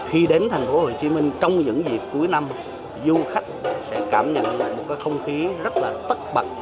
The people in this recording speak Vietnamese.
khi đến thành phố hồ chí minh trong những dịp cuối năm du khách sẽ cảm nhận lại một cái không khí rất là tất bậc